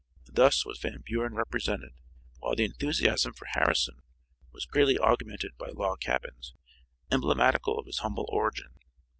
Thus was Van Buren represented, while the enthusiasm for Harrison was greatly augmented by log cabins, emblematical of his humble origin.